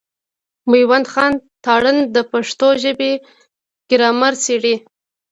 مېوند خان تارڼ د پښتو ژبي ګرامر څېړي.